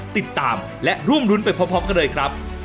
ติดตามและร่วมรุ้นไปพร้อมกันเลยครับ